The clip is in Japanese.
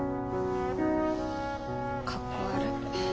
かっこ悪い。